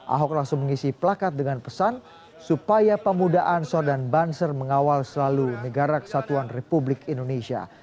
ahok langsung mengisi plakat dengan pesan supaya pemuda ansor dan banser mengawal selalu negara kesatuan republik indonesia